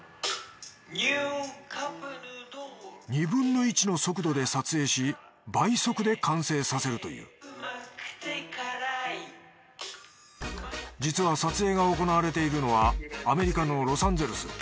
ニューカップヌードル」２分の１の速度で撮影し倍速で完成させるという実は撮影が行われているのはアメリカのロサンゼルス。